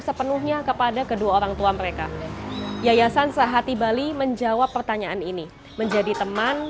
sepenuhnya kepada kedua orang tua mereka yayasan sehati bali menjawab pertanyaan ini menjadi teman